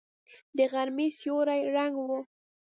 د غرمې سیوری ړنګ و.